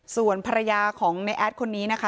ส่วนภรรยาของในแอดคนนี้นะคะ